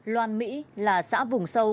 loan mỹ là xã vùng sâu